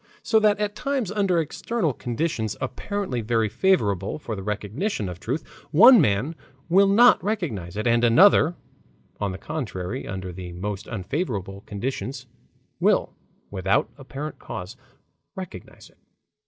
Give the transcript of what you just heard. So that at times under external conditions apparently very favorable for the recognition of truth, one man will not recognize it, and another, on the contrary, under the most unfavorable conditions will, without apparent cause, recognize it.